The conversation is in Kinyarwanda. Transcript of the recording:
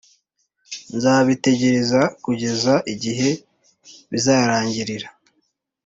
nzabitegereza kugeza igihe bizarangirira